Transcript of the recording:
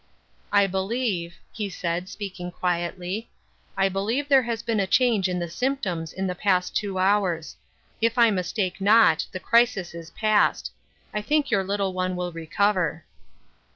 "I believe," he said, speaking quietly, "I believe there has been a change in the symp toms in the past two hours. If I mistake not, the crisis is past. I think 3^our little one will recover."